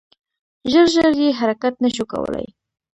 ژر ژر یې حرکت نه شو کولای .